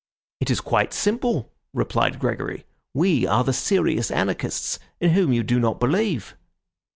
"It is quite simple," replied Gregory. "We are the serious anarchists, in whom you do not believe."